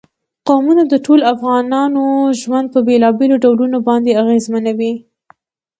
قومونه د ټولو افغانانو ژوند په بېلابېلو ډولونو باندې اغېزمنوي.